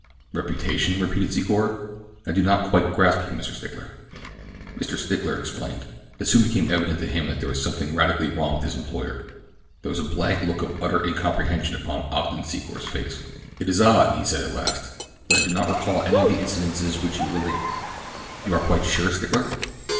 "'Reputation'?" repeated Secor, "I do not quite grasp you, Mr. Stickler." Mr. Stickler explained. It soon became evident to him that there was something radically wrong with his employer. There was a blank look of utter incomprehension upon Ogden Secor's face. "It is odd," he said at last, "that I do not recall any of the incidents which you relate. You are quite sure, Stickler?"